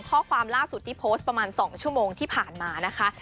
ข้อความล่าสุดที่โพสต์ประมาณ๒ชั่วโมงที่ผ่านมานะคะ